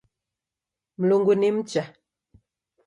Mlungu ni mcha